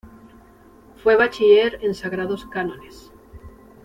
Fue bachiller en sagrados cánones.